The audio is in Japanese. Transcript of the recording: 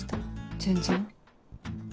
全然。